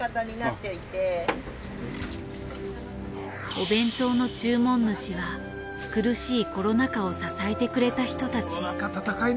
お弁当の注文主は苦しいコロナ禍を支えてくれた人たち。